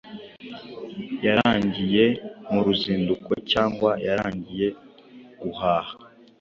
yaragiye mu ruzinduko cyangwa yaragiye guhaha.